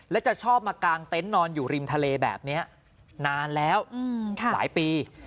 และจะชอบมากางเต็นต์นอนอยู่ริมทะเลแบบนี้นานแล้วหลายปี